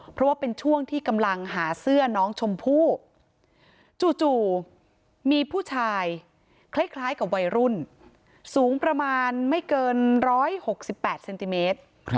เพราะว่าเป็นช่วงที่กำลังหาเสื้อน้องชมพู่จู่มีผู้ชายคล้ายกับวัยรุ่นสูงประมาณไม่เกิน๑๖๘เซนติเมตร